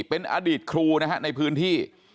เป็นอดีตครูนะฮะในพื้นที่